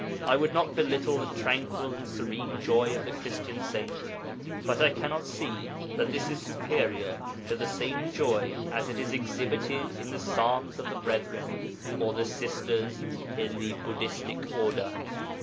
I would not belittle the tranquil and serene joy of the Christian saint, but I cannot see that this is superior to the same joy as it is exhibited in the Psalms of the Brethren or the Sisters in the Buddhistic Order.